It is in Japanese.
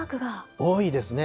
多いですね。